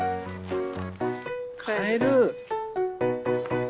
カエル。